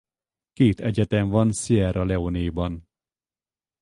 Két egyetem van Sierra Leone-ban.